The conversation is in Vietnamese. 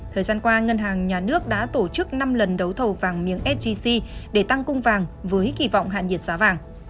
thời gian qua ngân hàng nhà nước đã tổ chức năm lần đấu thầu vàng miếng sgc để tăng cung vàng với kỳ vọng hạn nhiệt giá vàng